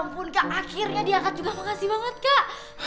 ampun kak akhirnya diangkat juga makasih banget kak